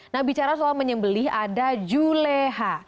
nah bicara soal menyembelih ada juleha